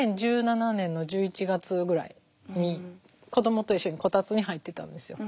２０１７年の１１月ぐらいに子どもと一緒にこたつに入ってたんですよ。